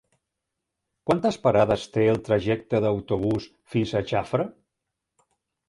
Quantes parades té el trajecte en autobús fins a Jafre?